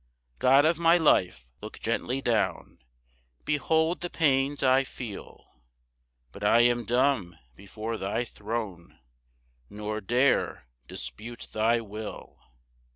1 God of my life, look gently down, Behold the pains I feel; But I am dumb before thy throne, Nor dare dispute thy will.